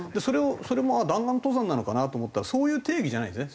それも弾丸登山なのかなと思ったらそういう定義じゃないんですね。